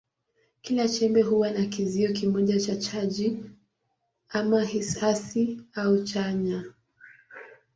Kila chembe huwa na kizio kimoja cha chaji, ama hasi au chanya.